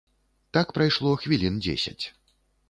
Так прайшло хвілін дзесяць.